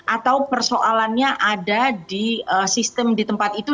atau persoalannya ada di sistem di tempat itu